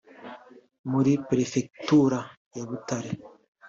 muri Perefegitura ya Butare